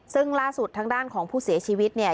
ซึ่งล่าสุดทางด้านของผู้เสียชีวิตเนี่ย